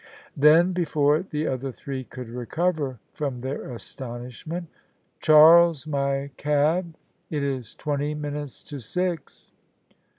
Then, before the other three could recover from their astonishment, " Charles, my cab. It is twenty minutes to six."